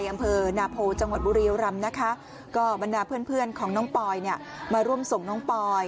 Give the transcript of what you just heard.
อำเภอนาโพจังหวัดบุรียรำนะคะก็บรรดาเพื่อนเพื่อนของน้องปอยเนี่ยมาร่วมส่งน้องปอย